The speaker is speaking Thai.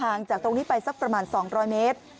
นั่งเฉยนั่งเฉยนั่งเฉย